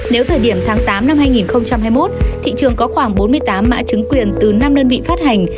nếu thời điểm tháng tám năm hai nghìn hai mươi một thị trường có khoảng bốn mươi tám mã chứng quyền từ năm đơn vị phát hành